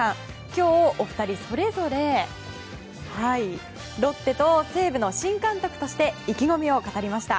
今日、お二人それぞれロッテと西武の新監督として意気込みを語りました。